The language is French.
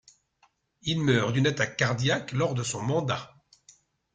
Il meurt d'une attaque cardiaque lors de son mandat.